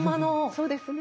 そうですね。